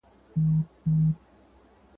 د څېړنې موخه د ساتنې لپاره معلومات راټولول دي.